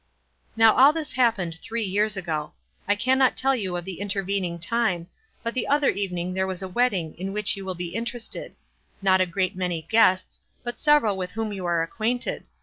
Now, all this happened three years ago. I cannot tell you of the intervening time, but the other evening there was a wedding in which you will be interested — not a great many guests, but several with whom you are acquainted.